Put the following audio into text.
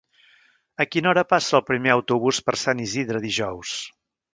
A quina hora passa el primer autobús per Sant Isidre dijous?